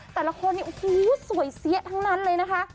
แต่ละคนเนี่ยโอ้โหสวยเสียทั้งนั้นเลยนะคะ